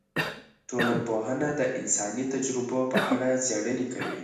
ټولنپوهنه د انساني تجربو په اړه څیړنې کوي.